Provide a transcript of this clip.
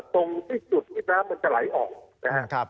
ตรงที่น้ำกระลายออก